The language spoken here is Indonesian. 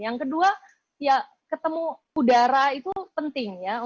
yang kedua ya ketemu udara itu penting ya